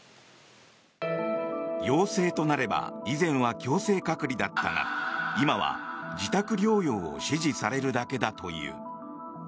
陽性となれば以前は強制隔離だったが今は自宅療養を指示されるだけだという。